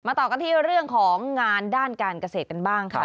ต่อกันที่เรื่องของงานด้านการเกษตรกันบ้างค่ะ